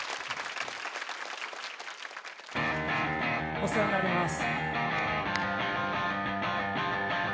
お世話になります。